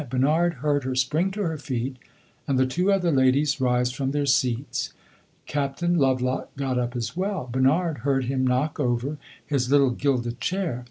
Bernard heard her spring to her feet, and the two other ladies rise from their seats. Captain Lovelock got up as well; Bernard heard him knock over his little gilded chair.